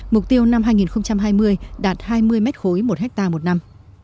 mục tiêu năm hai nghìn hai mươi đạt hai mươi m ba một hectare một năm